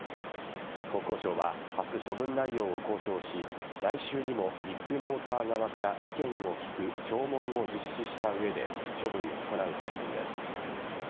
国交省は明日、処分内容を公表し来週にもビッグモーター側から意見を聞く聴聞を実施した上で処分を行う方針です。